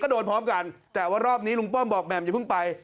โดนพร้อมกันแต่ว่ารอบนี้ลุงป้อมบอกแหม่มอย่าเพิ่งไป